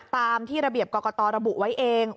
ตามที่ระเบียบกรกตระบุไว้เอง